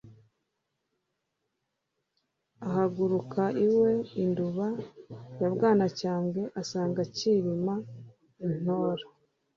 Ahaguruka iwe i Nduba ya Bwanacyambwe, asanga Kilima i Ntora.